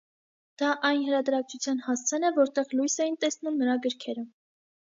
Դա այն հրատարակչության հասցեն է, որտեղ լույս էին տեսնում նրա գրքերը։